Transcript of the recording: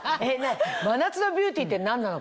真夏のビューティーって何なの？